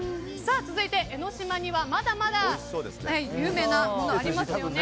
続いて江の島にはまだまだ有名なものがありますよね。